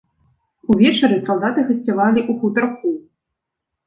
Увечары салдаты гасцявалі ў хутарку.